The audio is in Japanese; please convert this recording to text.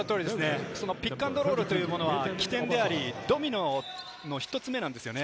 ピックアンドロールは起点であり、ドミノの１つ目なんですよね。